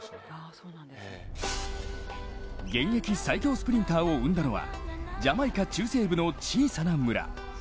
現役最強スプリンターを生んだのはジャマイカ中西部の小さな村。